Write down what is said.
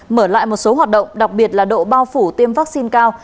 mở lại một số hoạt động đặc biệt là độ bao phủ tiêm vaccine cao